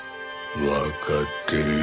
わかってるよ